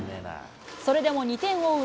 それでも２点を追う